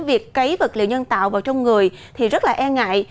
việc cấy vật liệu nhân tạo vào trong người thì rất là e ngại